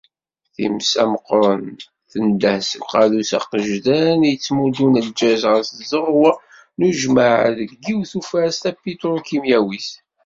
Times-a meqqren, tendeh-d seg uqadus agejdan i yettmuddun lgaz ɣer tzeɣwa n ujmaɛ deg yiwet n ufares tapitrukimyawit.